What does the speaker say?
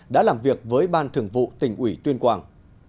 đã làm việc với ban thường vụ tỉnh ủy tuyên quang